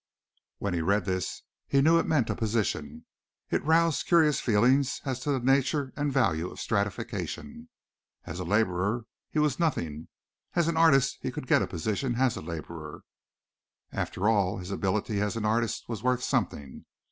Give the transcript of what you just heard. When he read this he knew it meant a position. It roused curious feelings as to the nature and value of stratification. As a laborer he was nothing: as an artist he could get a position as a laborer. After all, his ability as an artist was worth something.